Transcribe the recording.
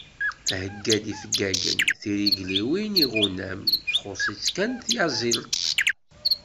Thegga-d ifeggagen, tirigliwin, iɣunam. Txuṣ-itt kan tyaẓilt.